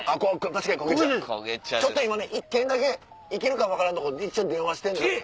確かにこげ茶ちょっと今ね１軒だけ行けるかも分からんとこ一応電話してんのよ。